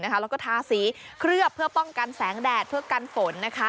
แล้วก็ทาสีเคลือบเพื่อป้องกันแสงแดดเพื่อกันฝน